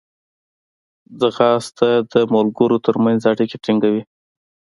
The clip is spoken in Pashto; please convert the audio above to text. ځغاسته د ملګرو ترمنځ اړیکې ټینګوي